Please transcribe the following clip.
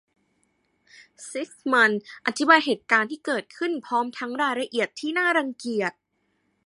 ซิกมันด์อธิบายเหตุการณ์ที่เกิดขึ้นพร้อมทั้งรายละเอียดที่น่ารังเกียจ